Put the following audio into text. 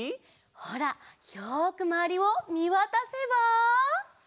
ほらよくまわりをみわたせば。